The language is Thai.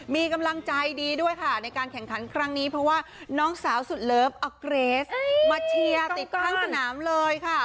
มีกำลังใจดีด้วยค่ะในการแข่งขันครั้งนี้เพราะว่าน้องสาวสุดเลิฟออกเกรสมาเชียร์ติดข้างสนามเลยค่ะ